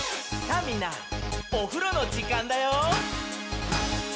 「さあみんなおふろのじかんだよ」